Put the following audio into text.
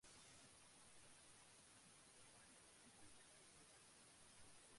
ছায়ানটের বর্ষবরণ অনুষ্ঠান সরাসরি সম্প্রচার করছে বাংলাদেশ টেলিভিশন ও বাংলাদেশ বেতার।